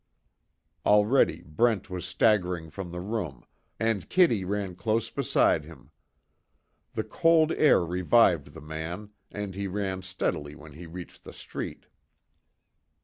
Already Brent was staggering from the room, and Kitty ran close beside him. The cold air revived the man and he ran steadily when he reached the street.